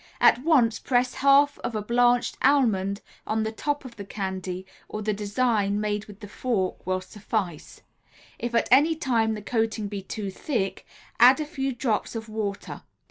At once press half of a blanched almond on the top of the candy, or the design made with the fork will suffice. If at any time the coating be too thick, add a few drops of water.